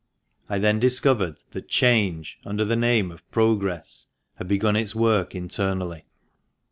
I then discovered that "change," under the name of " Progress." had begun its work internally.